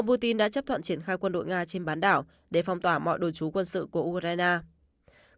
putin đã chấp thuận triển khai quân đội nga trên bán đảo để phong tỏa mọi đồ chú quân sự của ukraine